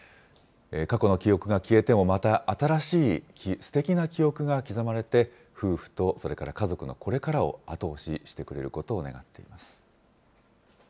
過去の記憶が消えても、また新しいすてきな記憶が刻まれて、夫婦とそれから家族のこれからを後押ししてくれることを願っています。